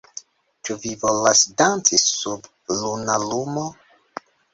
Ĉu vi volas danci sub luna lumo